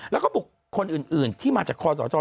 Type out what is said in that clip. แล้วก็บุคคลอื่นที่มาจากคอสช